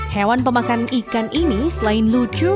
hewan pemakan ikan ini selain lucu